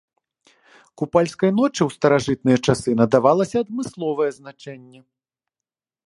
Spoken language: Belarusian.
Купальскай ночы ў старажытныя часы надавалася адмысловае значэнне.